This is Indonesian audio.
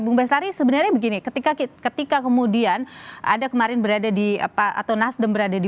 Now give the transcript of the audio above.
bung bestari sebenarnya begini ketika kemudian ada kemarin berada di apa atau nasdem berada di